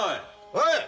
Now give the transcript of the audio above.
はい。